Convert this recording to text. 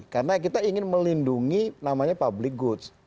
karena kita ingin melindungi public goods